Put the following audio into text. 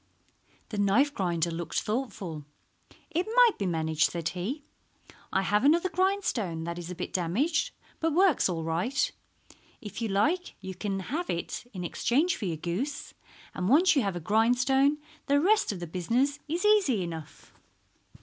The knife grinder looked thoughtful. "It might be managed," said he. "I have another grindstone that is a bit damaged, but works all right. If you like you can have it in exchange for your goose, and once you have a grindstone the rest of the business is easy enough."